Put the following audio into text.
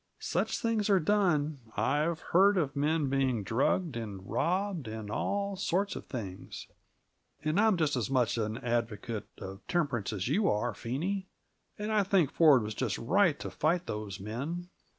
Such things are done; I've heard of men being drugged and robbed and all sorts of things. And I'm just as much of an advocate for temperance as you are, Phenie and I think Ford was just right to fight those men.